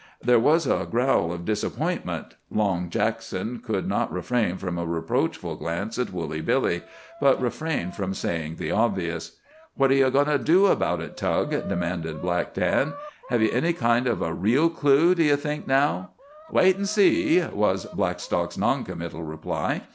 There was a growl of disappointment. Long Jackson could not refrain from a reproachful glance at Woolly Billy, but refrained from saying the obvious. "What are ye goin' to do about it, Tug?" demanded Black Dan. "Hev ye got any kind of a reel clue, d'ye think, now?" "Wait an' see," was Blackstock's noncommittal reply.